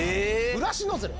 ブラシノズル。